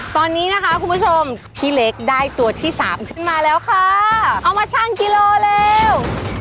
ตอนนี้นะคะคุณผู้ชมพี่เล็กได้ตัวที่สามขึ้นมาแล้วค่ะเอามาชั่งกิโลแล้ว